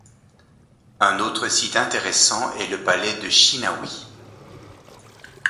Un autre site intéressant est le palais de Shinnawi.